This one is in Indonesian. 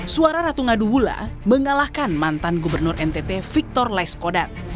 suara ratu ngadu wula mengalahkan mantan gubernur ntt victor laiskodat